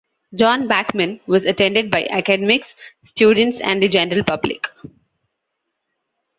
John Bachman was attended by academics, students, and the general public.